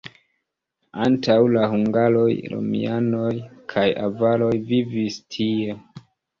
Antaŭ la hungaroj romianoj kaj avaroj vivis tie.